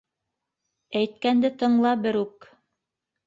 Әйткәнде тыңла берүк.